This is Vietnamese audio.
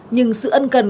nhưng sự ân cần